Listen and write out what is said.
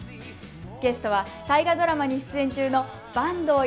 ゲストは、大河ドラマに出演中の坂東